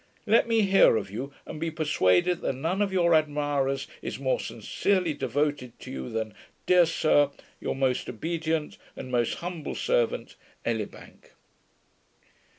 Let me hear of you, and be persuaded that none of your admirers is more sincerely devoted to you, than, Dear Sir, Your most obedient, And most humble servant, ELIBANK.